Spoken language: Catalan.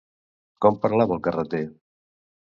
Com parlava el carreter?